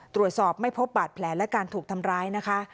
ตรวจสอบไม่พบบาดแผลและการถูกทำร้ายนะคะ